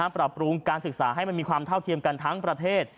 ปรับปรุงการศึกษาให้มันมีความเท่าเทียมกันทั้งประเทศ